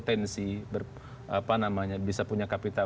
tapi pelan pelan benci hati